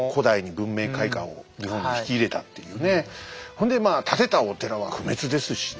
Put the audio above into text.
ほんで建てたお寺は不滅ですしね